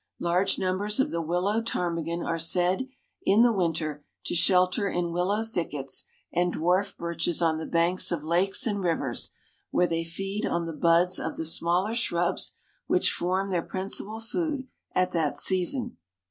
Large numbers of the willow ptarmigan are said in the winter to shelter in willow thickets and dwarf birches on the banks of lakes and rivers, where they feed on the buds of the smaller shrubs which form their principal food at that season.